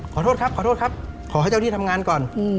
ขอโทษครับขอโทษครับขอให้เจ้าที่ทำงานก่อน